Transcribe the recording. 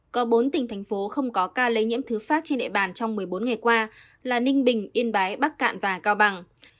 có bốn tỉnh thành phố không có ca lây nhiễm thứ phát trên địa bàn trong một mươi bốn ngày qua là ninh bình yên bái bắc cạn và cao bằng